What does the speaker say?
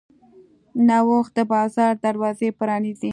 نوښت د بازار دروازې پرانیزي.